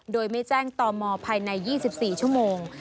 โดยไม่แจ้งตมภายใน๒๔ชั่วโมง